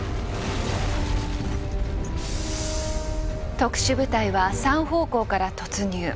特殊部隊は三方向から突入。